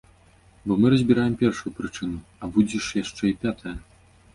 Бо мы разбіраем першую прычыну, а будзе ж яшчэ й пятая!